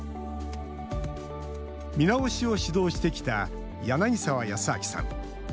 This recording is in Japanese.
見直しを指導してきた柳澤靖明さん。